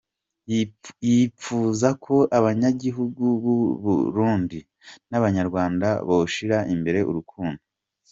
Yipfuza ko abanyagihugu b'uburundi n'abanyarwanda boshira imbere urukundo.